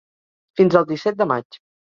Fins el disset de maig.